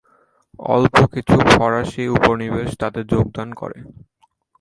অল্প কিছু ফরাসি উপনিবেশ তাতে যোগদান করে।